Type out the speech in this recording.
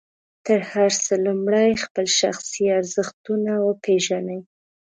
تر هر څه لومړی خپل شخصي ارزښتونه وپېژنئ.